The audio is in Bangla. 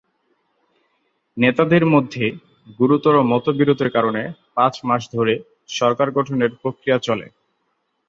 নেতাদের মধ্যে গুরুতর মতবিরোধের কারণে পাঁচ মাস ধরে সরকার গঠনের প্রক্রিয়া চলে।